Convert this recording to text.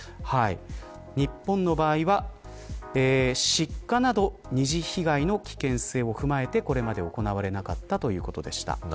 日本の場合は失火など二次被害の危険性を踏まえてこれまで行われていませんでした。